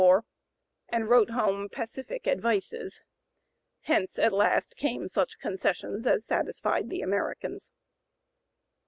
094) war, and wrote home pacific advices. Hence, at last, came such concessions as satisfied the Americans.